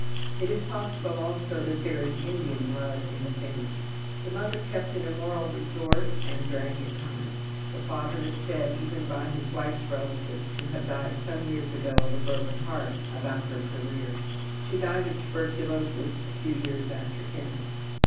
It is possible, also, that there is Indian blood in the family. The mother kept an immoral resort and drank at times. The father is said, even by his wife's relative, to have died some years ago of a broken heart about her career. She died of tuberculosis a few years after him.